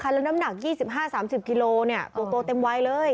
คันละน้ำหนัก๒๕๓๐กิโลเนี่ยตัวโตเต็มไว้เลย